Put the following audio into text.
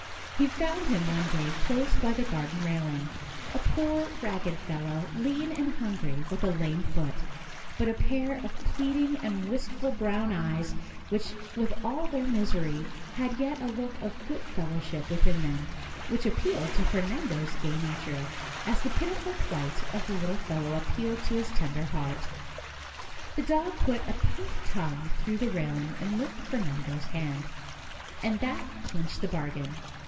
He found him one day close by the garden railing, a poor, ragged fellow, lean and hungry, with a School days 15 lame foot, but a pair of pleading and wistful brown eyes, which, with all their misery, had yet a look of good fellowship within them which appealed to Fernando's gay nature, as the pitiful plight of the little fellow appealed to his tender heart. The dog put a pink tongue through the railing and licked Fernan do's hand, and that clinched the bargain.